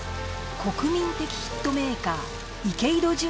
国民的ヒットメーカー池井戸潤